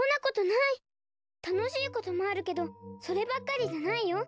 ・たのしいこともあるけどそればっかりじゃないよ。